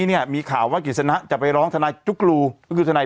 นี่เนี้ยมีข่าวว่ากิศณะจะไปร้องธนาชิตุ๊กรูเพื่อทนาย